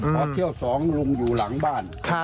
พอเที่ยวสองลุงอยู่หลังบ้าน